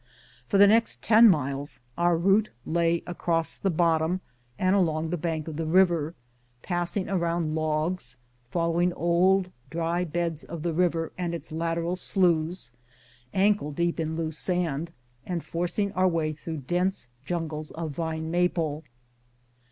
For the next ten miles our route lay across the bottom, and along lOO FIRST SUCCESSFUL ASCENT, 1870 the bank of the river, passing around logs, following old, dry beds of the river and its lateral sloughs, ankle deep in loose sand, and forcing our way through dense jungles of vine maple.